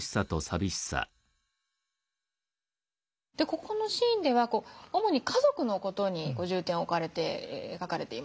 ここのシーンでは主に家族の事に重点を置いて描かれていますよね。